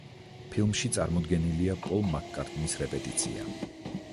ფილმში წარმოდგენილია პოლ მაკ-კარტნის რეპეტიცია.